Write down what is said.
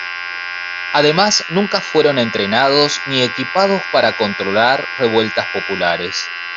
Además, nunca fueron entrenados ni equipados para controlar revueltas populares".